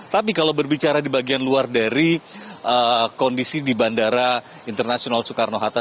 tapi kalau berbicara di bagian luar dari kondisi di bandara internasional soekarno hatta